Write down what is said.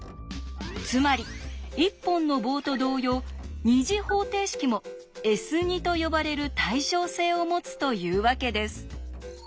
つまり一本の棒と同様２次方程式も「Ｓ」と呼ばれる対称性を持つというわけです。